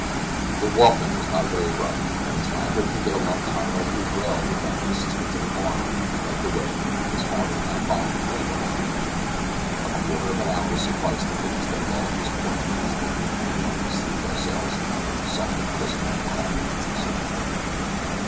The walking was not very rough, and as Andre could get along tolerably well without the assistance of an arm, he led the way, his father and I following close behind. A quarter of an hour sufficed to bring us to the loftiest point in the islet, when we seated ourselves on the basaltic prism that crowned its summit.